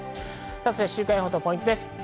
週間予報とポイントです。